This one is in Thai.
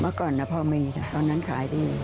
เมื่อก่อนพอมีค่ะตอนนั้นขายดี